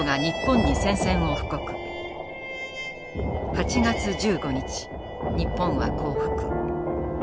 ８月１５日日本は降伏。